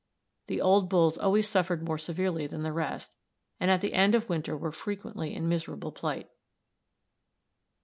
The old bulls always suffered more severely than the rest, and at the end of winter were frequently in miserable plight.